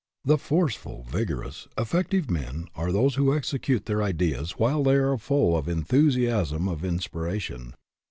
The forceful, vigorous, effective men are those who execute their ideas while they are full of the enthusiasm of inspiration.